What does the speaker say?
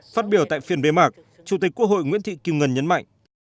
phát biểu tại phiền bề mạc chủ tịch quốc hội nguyễn thị kiều ngân nhấn mạnh